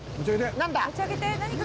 何だ？